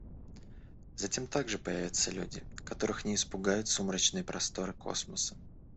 Затем также появятся люди, которых не испугают сумрачные просторы космоса».